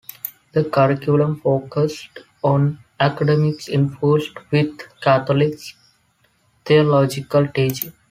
The curriculum focused on academics infused with Catholic theological teaching.